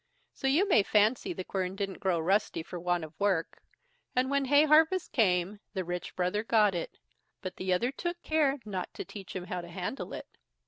So you may fancy the quern didn't grow rusty for want of work, and when hay harvest came, the rich brother got it, but the other took care not to teach him how to handle it.